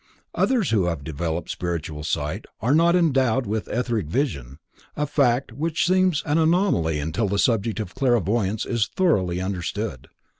Others, who have developed spiritual sight are not endowed with etheric vision, a fact which seems an anomaly until the subject of clairvoyance is thoroughly understood.